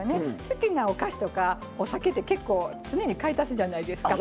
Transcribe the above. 好きなお菓子とかお酒って結構常に買い足すじゃないですか。